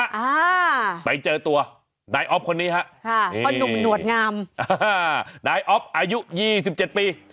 อ่าไปเจอตัวนายอ๊อฟคนนี้ฮะค่ะพ่อหนุ่มหนวดงามอ่านายอ๊อฟอายุยี่สิบเจ็ดปี